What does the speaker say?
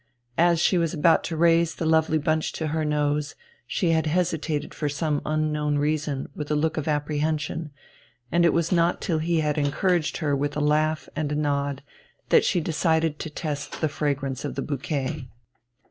As she was about to raise the lovely bunch to her nose, she had hesitated for some unknown reason with a look of apprehension, and it was not till he had encouraged her with a laugh and a nod that she decided to test the fragrance of the bouquet.